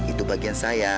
itu bagian saya